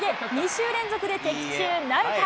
２週連続で的中なるか。